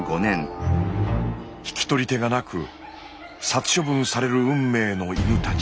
引き取り手がなく殺処分される運命の犬たち。